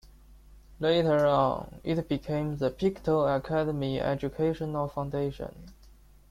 Later on, it became The Pictou Academy Educational Foundation.